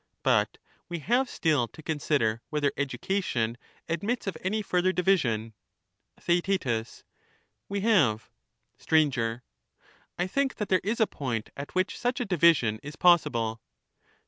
But we have still to consider whether education admits of any further division. Theaet. We have. Sir. I think that there is a point at which such a division is possible.